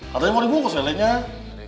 katanya mau dibungkus ya lainnya